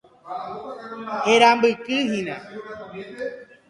Herambykyhína.